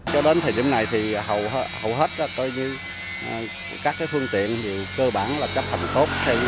cho đến thời điểm này thì hầu hết các phương tiện thì cơ bản là chấp hành tốt